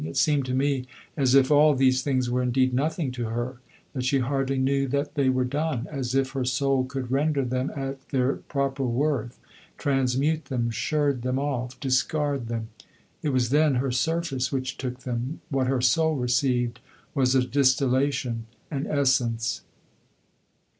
It seemed to me as if all these things were indeed nothing to her; that she hardly knew that they were done; as if her soul could render them at their proper worth, transmute them, sherd them off, discard them. It was, then, her surface which took them; what her soul received was a distillation, an essence.